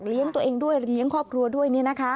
เรียนตัวเองเรียนครอบครัวด้วย